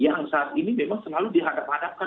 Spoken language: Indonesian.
yang saat ini memang selalu dihadap hadapkan